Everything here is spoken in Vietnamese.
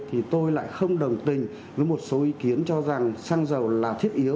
thì tôi lại không đồng tình với một số ý kiến cho rằng xăng dầu là thiết yếu